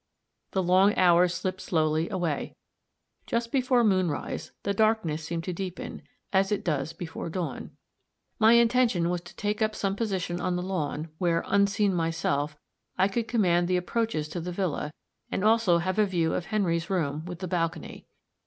The long hours slipped slowly away. Just before moonrise the darkness seemed to deepen, as it does before dawn. My intention was to take up some position on the lawn, where, unseen myself, I could command the approaches to the villa, and also have a view of Henry's room, with the balcony.